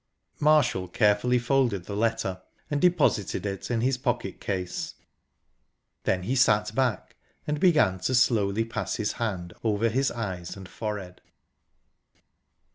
Marshall carefully folded the letter, and deposited it in his pocket case. Then he sat back, and began to slowly pass his hand over his eyes and forehead.